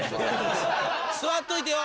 座っといてよ。